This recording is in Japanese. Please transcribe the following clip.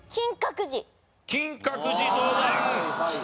金閣寺どうだ？